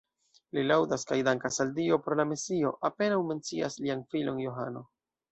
Li laŭdas kaj dankas al Dio pro la Mesio, apenaŭ mencias lian filon Johano.